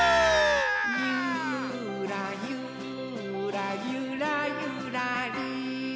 「ゆーらゆーらゆらゆらりー」